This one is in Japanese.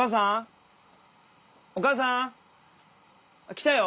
来たよ。